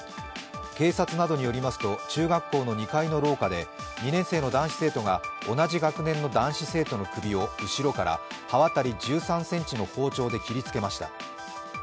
警察などによりますと、中学校の２階の廊下で２年生の男子生徒が同じ学年の男子生徒の首を後ろから刃渡り１３ｃｍの包丁で切りつけました。